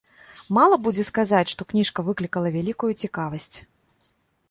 Мала будзе сказаць, што кніжка выклікала вялікую цікавасць.